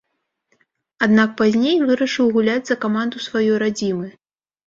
Аднак пазней вырашыў гуляць за каманду сваёй радзімы.